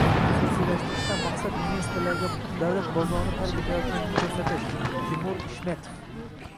Xususiylashtirishdan maqsad — investorlarga davlat bozorni tark etayotganini ko‘rsatish — Timur Ishmetov